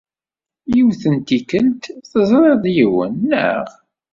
Yiwet n tikkelt, teẓriḍ yiwen, naɣ?